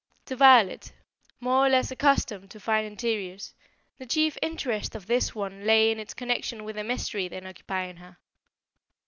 To Violet, more or less accustomed to fine interiors, the chief interest of this one lay in its connection with the mystery then occupying her.